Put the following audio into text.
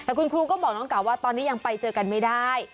แต่คุณครูก็บอกน้องเก่าว่าตอนนี้ยังไปเจอกันไม่ได้